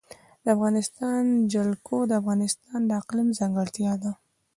د افغانستان جلکو د افغانستان د اقلیم ځانګړتیا ده.